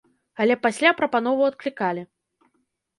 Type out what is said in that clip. Але пасля прапанову адклікалі.